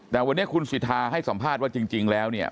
แต่วันนี้คุณสิทธาให้สัมภาษณ์ว่าจริงแล้วเนี่ย